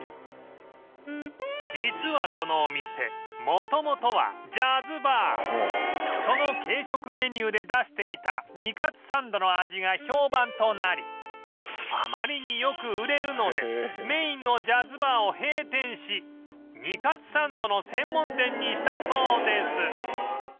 実はこのお店元々はその軽食メニューで出していた煮かつサンドの味が評判となりあまりによく売れるのでメインのジャズバーを閉店し煮かつサンドの専門店にしたそうです